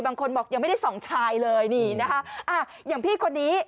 บางคนบอกยังไม่ได้ส่องชายเลยนี่นะคะอ่าอย่างพี่คนนี้